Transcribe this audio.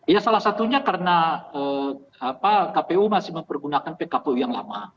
ya salah satunya karena kpu masih mempergunakan pkpu yang lama